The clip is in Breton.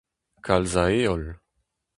Kalz a heol.